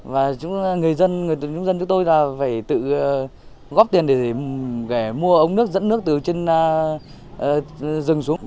và chúng dân chúng tôi là phải tự góp tiền để mua ống nước dẫn nước từ trên rừng xuống